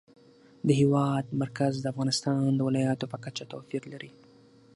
د هېواد مرکز د افغانستان د ولایاتو په کچه توپیر لري.